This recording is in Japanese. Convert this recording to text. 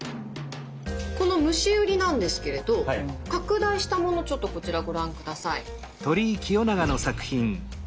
この虫売りなんですけれど拡大したものちょっとこちらご覧下さい。